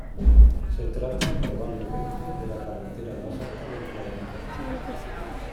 Se trata, probablemente, de la carretera más alta del planeta.